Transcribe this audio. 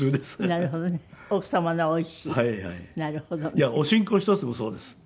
いやおしんこ１つもそうです。